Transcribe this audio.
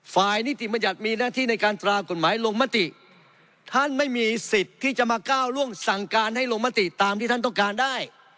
นิติบัญญัติมีหน้าที่ในการตรากฎหมายลงมติท่านไม่มีสิทธิ์ที่จะมาก้าวล่วงสั่งการให้ลงมติตามที่ท่านต้องการได้